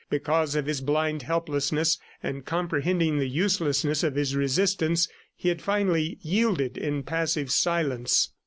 Because of his blind helplessness, and comprehending the uselessness of his resistance, he had finally yielded in passive silence.